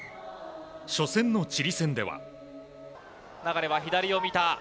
初戦のチリ戦では。